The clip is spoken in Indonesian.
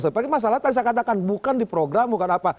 sebagai masalah tadi saya katakan bukan di program bukan apa